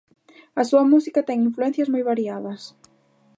A súa música ten influencias moi variadas.